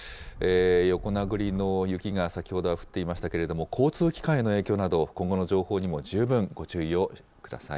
横殴りの雪が先ほどは降っていましたけれども、交通機関への影響など、今後の情報にも十分ご注意をください。